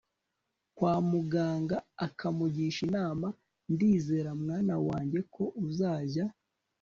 kwa muganga ukamugisha inama. ndizera, mwana wange ko uzajya